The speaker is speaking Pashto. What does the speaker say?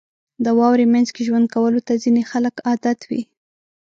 • د واورې مینځ کې ژوند کولو ته ځینې خلک عادت وي.